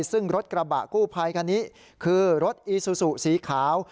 ซึ่งรถกระบะกู้ภัยคันนี้คือรถอีซูซูสีขาว